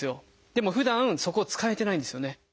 でもふだんそこ使えてないんですよね。